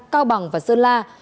cao bằng và sơn la